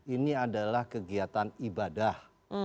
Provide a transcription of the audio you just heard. ini adalah kegiatan ibadah